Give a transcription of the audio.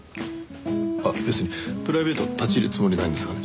あっ別にプライベート立ち入るつもりないんですがね。